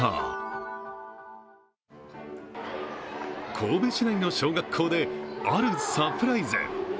神戸市内の小学校であるサプライズ。